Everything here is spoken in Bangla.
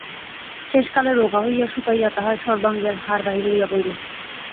শেষকালে রোগা হইয়া শুকাইয়া তাঁহার সর্বাঙ্গের হাড় বাহির হইয়া পড়িল।